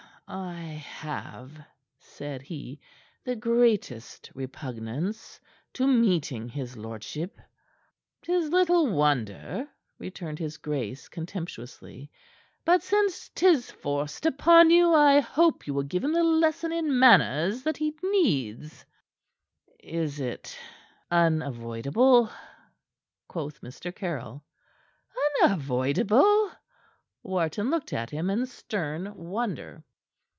"I have," said he, "the greatest repugnance to meeting his lordship." "'Tis little wonder," returned his grace contemptuously. "But since 'tis forced upon you, I hope you'll give him the lesson in manners that he needs." "Is it is it unavoidable?" quoth Mr. Caryll. "Unavoidable?" Wharton looked at him in stern wonder.